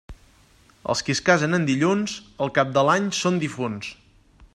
Els qui es casen en dilluns, al cap de l'any són difunts.